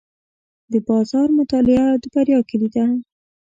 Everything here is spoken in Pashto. د بازار مطالعه د بریا کلي ده.